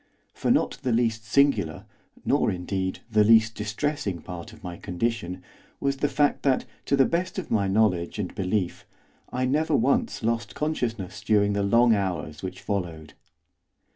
For not the least singular, nor, indeed, the least distressing part of my condition was the fact that, to the best of my knowledge and belief, I never once lost consciousness during the long hours which followed.